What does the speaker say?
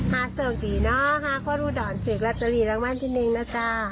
หาโศกดีเนอะหาพ่อรูดอนเผ็ดรัตตรีรางวัลที่นึงนะจ้า